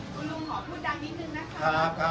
กลุ่มหอบพูดดังนิดนึงนะครับ